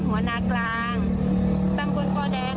หัวหน้ากลางตำบลปแดง